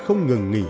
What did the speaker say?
không ngừng nghỉ